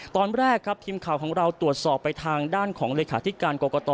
ตอนแรกครับทีมข่าวของเราตรวจสอบไปทางด้านของเลขาธิการกรกต